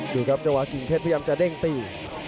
ดูครับจังหวะกิ่งเพชรพยายามจะเด้งตี